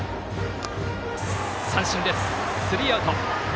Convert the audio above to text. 三振です、スリーアウト。